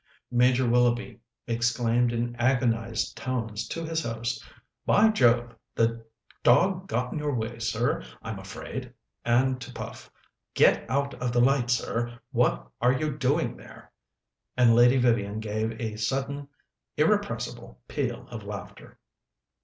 Major Willoughby exclaimed in agonized tones to his host, "By Jove! the dog got in your way, sir, I'm afraid;" and to Puff, "Get out of the light, sir; what are you doing there?" and Lady Vivian gave a sudden irrepressible peal of laughter.